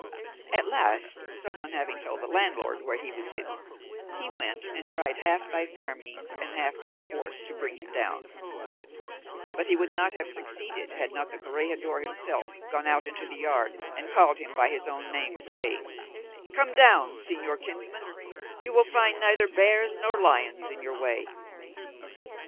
At last some one having told the landlord where he was hidden, he went and tried half by fair means and half by force to bring him down; but he would not have succeeded had not the corregidor himself gone out into the yard, and called him by his own name, saying, "Come down, señor kinsman; you will find neither bears nor lions in your way."